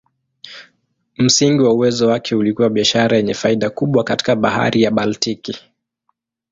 Msingi wa uwezo wake ulikuwa biashara yenye faida kubwa katika Bahari ya Baltiki.